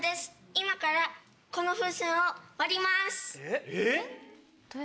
今からこの風船を割ります！